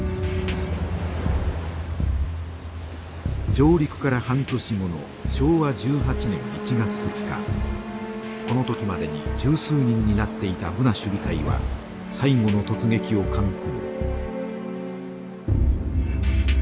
上陸から半年後のこの時までに十数人になっていたブナ守備隊は最後の突撃を敢行。